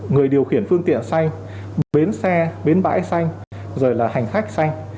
người điều khiển phương tiện xanh bến xe bến bãi xanh rồi là hành khách xanh